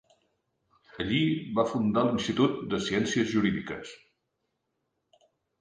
Allí va fundar l'Institut de Ciències Jurídiques.